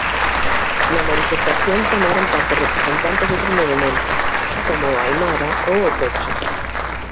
Na manifestación tomaron parte representantes doutros movementos, como o aimara ou o quechua.